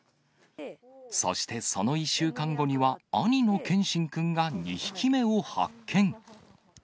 そしてその１週間後には、兄の謙芯くんが２匹目を発見。